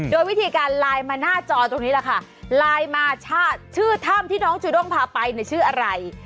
โดยวิธีการไลน์มาหน้าจอตรงนี้แหละค่ะไลน์มาชื่อถ้ำที่น้องจูด้งพาไปเนี่ยชื่ออะไร